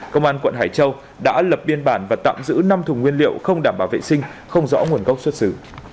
công an quận hải châu đã lập biên bản và tạm giữ năm thùng nguyên liệu không đảm bảo vệ sinh không rõ nguồn gốc xuất xứ